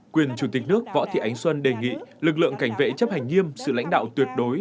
quyền chủ tịch nước võ thị ánh xuân đề nghị lực lượng cảnh vệ chấp hành nghiêm sự lãnh đạo tuyệt đối